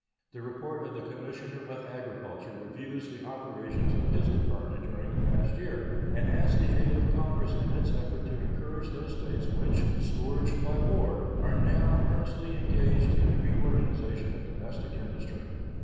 The report of the Commissioner of Agriculture reviews the operations of his Department during the past year, and asks the aid of Congress in its efforts to encourage those States which, scourged by war, are now earnestly engaged in the reorganization of domestic industry.